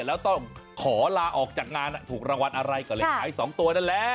แล้วต้องขอลาออกจากงานถูกรางวัลอะไรก็เลยขาย๒ตัวนั่นแหละ